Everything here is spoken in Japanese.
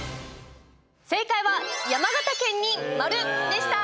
正解は山形県に丸でした。